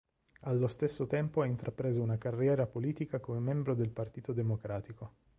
Allo stesso tempo ha intrapreso una carriera politica come membro del Partito Democratico.